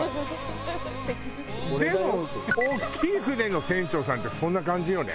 大きい船の船長さんってそんな感じよね。